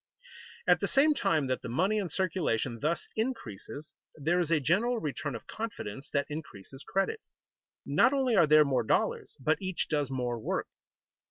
At the same time that the money in circulation thus increases, there is a general return of confidence that increases credit. Not only are there more dollars, but each does more work.